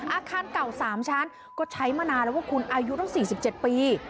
อาคารเก่า๓ชั้นก็ใช้มานานแล้วว่าคุณอายุตั้ง๔๗ปี